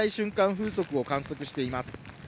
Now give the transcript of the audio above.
風速を観測しています。